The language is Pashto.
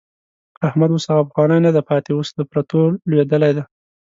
احمد اوس هغه پخوانی نه دی پاتې، اوس له پرتو لوېدلی دی.